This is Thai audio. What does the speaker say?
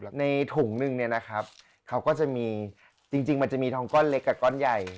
ในถุงนึงเนี่ยนะครับเขาก็จะมีจริงมันจะมีทองก้อนเล็กกับก้อนใหญ่